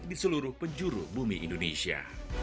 di seluruh penjuru bumi indonesia